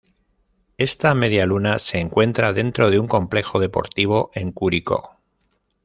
Esta medialuna se encuentra dentro de un complejo deportivo en Curicó.